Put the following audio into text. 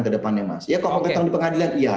ke depannya mas ya kalau kita di pengadilan ya